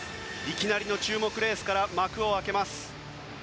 いきなりの注目のレースから幕を開けます。